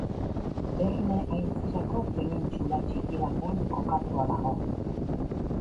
Erne aintzirako penintsula txiki batean kokatua dago.